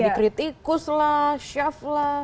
jadi kritikus lah chef lah